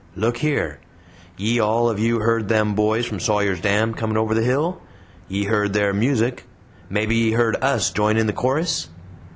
Look yere! Ye all of you heard them boys from Sawyer's Dam coming over the hill? Ye heard their music mebbe ye heard US join in the chorus?